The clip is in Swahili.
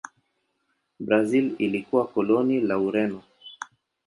Brazil ilikuwa koloni la Ureno.